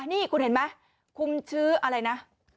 นี่คุณเห็นไหมคุมชื่ออะไรนะ